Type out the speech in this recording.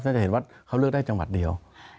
จะเห็นว่าเขาเลือกได้จังหวัดเดียว